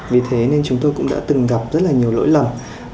vì thế nên chúng tôi cũng đã từng gặp rất là nhiều lỗi lầm